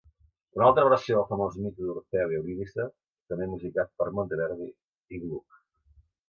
Una altra versió del famós mite d'Orfeu i Eurídice, també musicat per Monteverdi i Gluck.